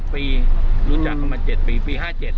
๗ปีรู้จักเขามา๗ปีปี๕๗น่ะ